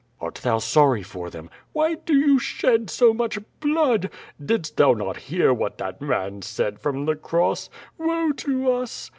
"Art thou sorry for them?" "Why do you shed so much blood. Didst thou not hear what that man said from the cross? Woe to us!"